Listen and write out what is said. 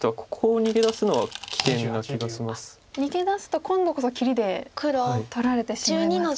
逃げ出すと今度こそ切りで取られてしまいますか。